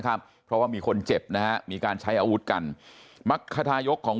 ครับเพราะว่ามีคนเจ็บนะฮะมีการใช้อาวุธกันมักคทายกของ